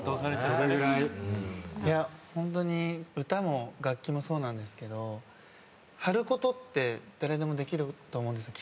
ホントに歌も楽器もそうなんですけど張ることって誰でもできると思うんですよ